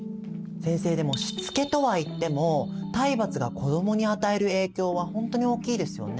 先生でもしつけとはいっても体罰が子どもに与える影響は本当に大きいですよね。